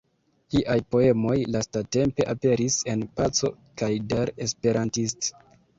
Liaj poemoj lastatempe aperis en "Paco" kaj "Der Esperantist".